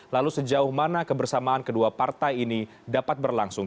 lalu sejauh mana kebersamaan kedua partai ini dapat berlangsung